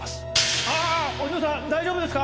ああお嬢さん大丈夫ですか？